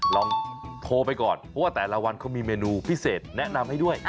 ลองโทรไปก่อนเพราะว่าแต่ละวันเขามีเมนูพิเศษแนะนำให้ด้วย